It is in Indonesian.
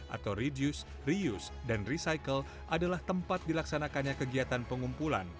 atau reduce reuse dan recycle adalah tempat dilaksanakannya kegiatan pengumpulan